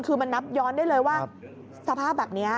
คือมันนับย้อนได้เลยว่าสภาพแบบนี้